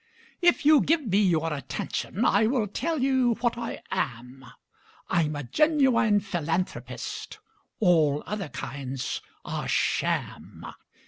If you give me your attention, I will tell you what I am: I'm a genuine philanthropist all other kinds are sham.